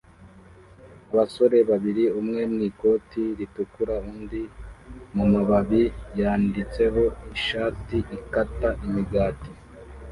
Abasore babiri umwe mwikoti ritukura undi mumababi yanditseho ishati ikata imigati